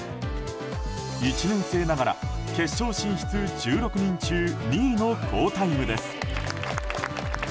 １年生ながら決勝進出１６人中２位の好タイムです。